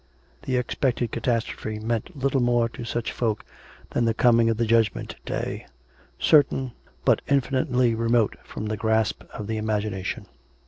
The expected catastro phe meant little more to such folk than the coming of the Judgment Day — certain, but infinitely remote from the grasp of the imagination.